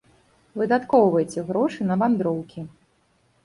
Выдаткоўвайце грошы на вандроўкі.